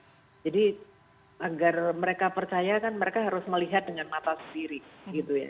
ya jadi agar mereka percaya kan mereka harus melihat dengan mata sendiri gitu ya